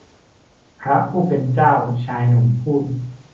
พระผู้เป็นเจ้า ชายหนุ่มพูด